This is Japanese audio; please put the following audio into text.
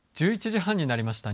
１１時半になりました。